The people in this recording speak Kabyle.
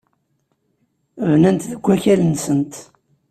Bnant deg wakal-nsent.